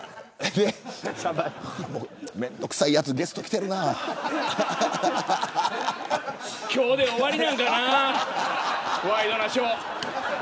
面倒くさいやつがゲストに来てるな今日で終わりなんかなワイドナショー。